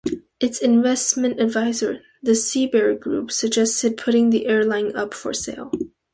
Its investment adviser, the Seabury Group, suggested putting the airline up for sale.